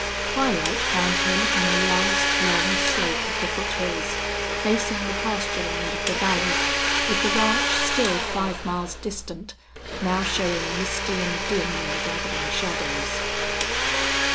Twilight found him on a last long slope of the foothills, facing the pasture land of the valley, with the ranch still five miles distant, now showing misty and dim in the gathering shadows.